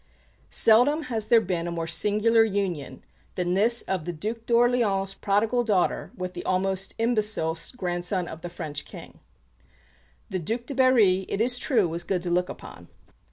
Seldom has there been a more singular union than this of the Duc d'Orléans' prodigal daughter with the almost imbecile grandson of the French King. The Duc de Berry, it is true, was good to look upon.